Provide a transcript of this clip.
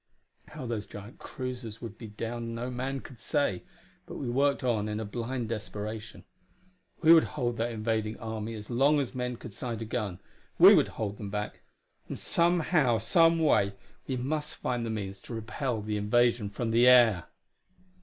How those giant cruisers would be downed no man could say, but we worked on in a blind desperation; we would hold that invading army as long as men could sight a gun; we would hold them back; and somehow, someway, we must find the means to repel the invasion from the air!